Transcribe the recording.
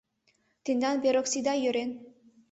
— Тендан пероскыда йӧрен.